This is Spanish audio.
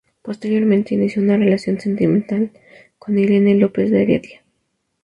Posteriormente, inició una relación sentimental con Irene López de Heredia.